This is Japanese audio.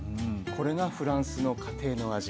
これがフランスの家庭の味。